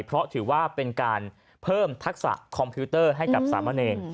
เพราะถือว่าเป็นการเพิ่มทักษะคอมพิวเตอร์ให้กับสามเณร